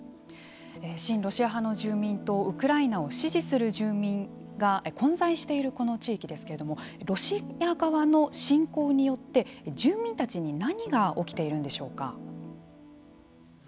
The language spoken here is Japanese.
親ロシア派の住民とウクライナを支持する住民が混在しているこの地域ですけれどもロシア側の侵攻によって住民たちに何が起きているんでしょうか。